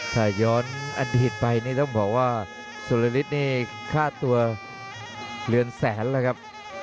ถ้าย้อนอดีตไปนี่ต้องบอกว่าสุรฤทธิ์นี่ค่าตัวเรือนแสนแล้วครับ